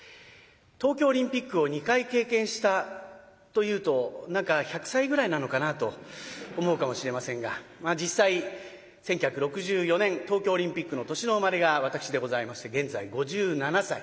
東京オリンピックを２回経験したと言うと何か１００歳ぐらいなのかなと思うかもしれませんが実際１９６４年東京オリンピックの年の生まれが私でございまして現在５７歳。